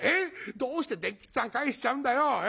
どうして伝吉っつぁん帰しちゃうんだよ。